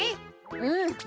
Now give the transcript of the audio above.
うん。